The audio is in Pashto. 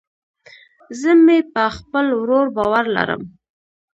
زه مې په خپل ورور باور لرم